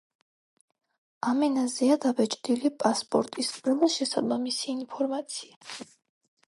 ამ ენაზეა დაბეჭდილი პასპორტის ყველა შესაბამისი ინფორმაცია.